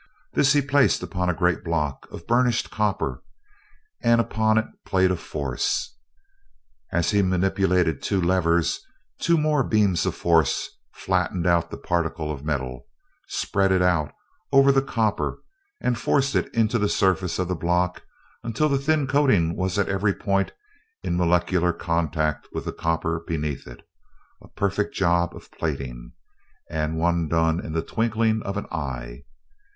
This he placed upon a great block of burnished copper, and upon it played a force. As he manipulated two levers, two more beams of force flattened out the particle of metal, spread it out over the copper, and forced it into the surface of the block until the thin coating was at every point in molecular contact with the copper beneath it a perfect job of plating, and one done in the twinkling of an eye.